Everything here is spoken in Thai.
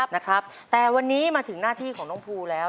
นะครับแต่วันนี้มาถึงหน้าที่ของน้องภูแล้ว